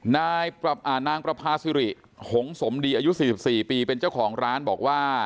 นางประพาซิริหงสมดีอายุ๔๔ปีเป็นเจ้าของร้านบอกว่า